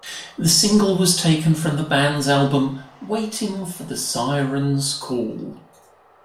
The single was taken from the band's album, "Waiting for the Sirens' Call".